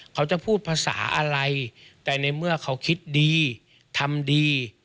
เขาจะพูดภาษาอะไรแต่ในเมื่อเขาคิดดีทำดี